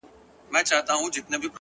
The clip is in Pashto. د شپې د راج معراج کي د سندرو ننداره ده _